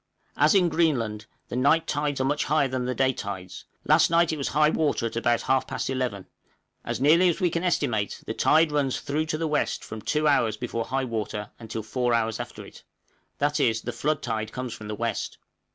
As in Greenland, the night tides are much higher than the day tides; last night it was high water at about half past eleven; as nearly as we can estimate, the tide runs through to the west, from two hours before high water until four hours after it; that is, the flood tide comes from the west!